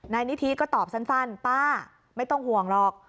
นายนิธิก็ตอบสั้นป้าไม่ต้องห่วงหรอก